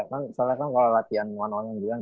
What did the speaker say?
kan salah kan kalau latihan satu satu yang bilang